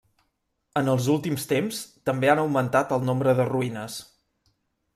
En els últims temps també han augmentat el nombre de ruïnes.